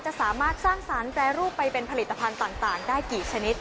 จะสามารถสร้างสรรคแปรรูปไปเป็นผลิตภัณฑ์ต่างได้กี่ชนิด